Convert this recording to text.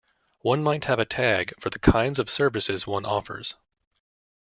One might have a tag for the kinds of services one offers.